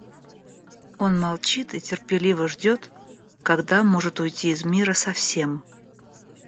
Он молчит и терпеливо ждет, когда может уйти из мира совсем.